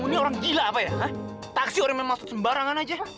ini orang gila apa ya taksi orang memang masuk sembarangan aja